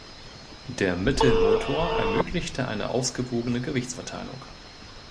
Der Mittelmotor ermöglichte eine ausgewogene Gewichtsverteilung.